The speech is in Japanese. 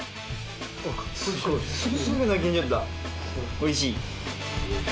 おいしい？